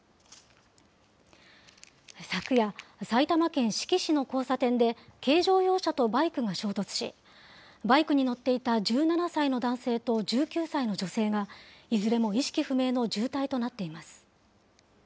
昨夜、埼玉県志木市の交差点で、軽乗用車とバイクが衝突し、バイクに乗っていた１７歳の男性と１９歳の女性が、いずれも意識不明の重体となっています。